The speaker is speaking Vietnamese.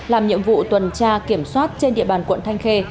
làm nhiệm vụ tuần tra kiểm soát trên địa bàn quận thanh khê